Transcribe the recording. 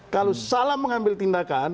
kalau salah mengambil tindakan